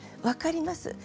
分かります。